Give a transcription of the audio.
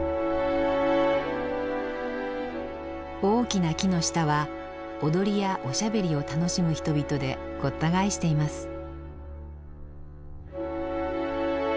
大きな木の下は踊りやおしゃべりを楽しむ人々でごった返しています。